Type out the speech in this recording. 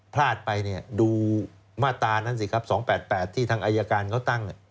พลาดไปเนี้ยดูมาตานั่นสิครับสองแปดแปดที่ทางอายการเขาตั้งเนี้ย